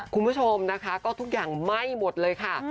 คุณผู้ชมนะคะก็ทุกอย่างไหม้หมดเลยค่ะ